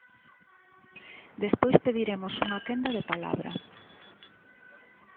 Despois pediremos unha quenda de palabra.